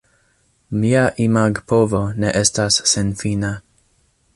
Mia imagpovo ne estas senfina.